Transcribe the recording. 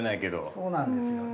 そうなんですよね。